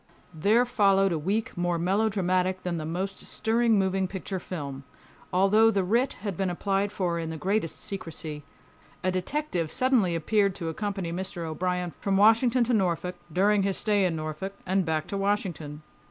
There followed a week more melodramatic than the most stirring moving picture film. Although the writ had been applied for in the greatest secrecy, a detective suddenly appeared to accompany Mr. O'Brien from Washington to Norfolk, during his stay in Norfolk, and back to Washington.